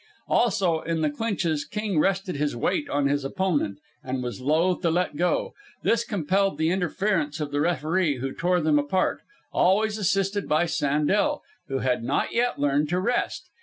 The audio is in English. Also, in the clinches King rested his weight on his opponent, and was loath to let go. This compelled the interference of the referee, who tore them apart, always assisted by Sandel, who had not yet learned to rest.